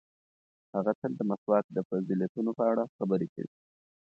هغه تل د مسواک د فضیلتونو په اړه خبرې کوي.